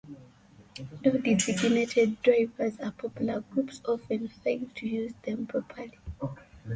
Though designated drivers are popular, groups often fail to use them properly.